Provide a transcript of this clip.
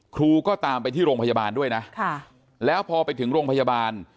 ครูก็ตามไปที่โรงพยาบาลด้วยนะแล้วพอไปถึงโรงพยาบาล